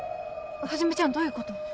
はじめちゃんどういうこと？